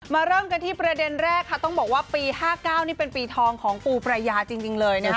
เริ่มกันที่ประเด็นแรกค่ะต้องบอกว่าปี๕๙นี่เป็นปีทองของปูปรายาจริงเลยนะคะ